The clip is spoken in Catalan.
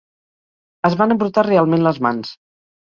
Es van embrutar realment les mans.